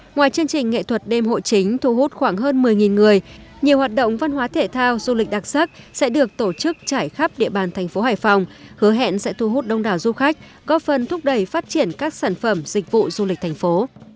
ngoài chương trình nghệ thuật đêm hội chính thu hút khoảng hơn một mươi người nhiều hoạt động văn hóa thể thao du lịch đặc sắc sẽ được tổ chức trải khắp địa bàn thành phố hải phòng hứa hẹn sẽ thu hút đông đảo du khách góp phần thúc đẩy phát triển các sản phẩm dịch vụ du lịch thành phố